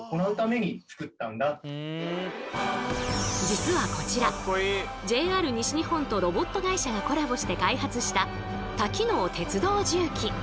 実はこちらＪＲ西日本とロボット会社がコラボして開発した多機能鉄道重機。